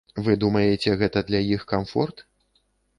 Вы думаеце гэта для іх камфорт?